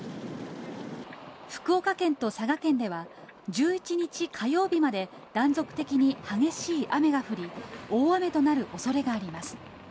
福岡県と佐賀県では、１１日火曜日まで断続的に激しい雨が降り、大雨となるおそれがあります。